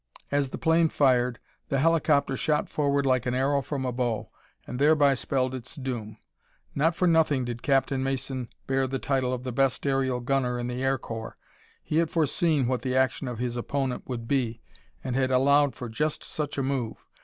As the plane fired, the helicopter shot forward like an arrow from a bow, and thereby spelled its doom. Not for nothing did Captain Mason bear the title of the best aerial gunner in the Air Corps. He had foreseen what the action of his opponent would be and had allowed for just such a move.